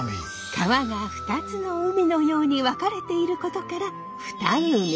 川が二つの海のように分かれていることから二海。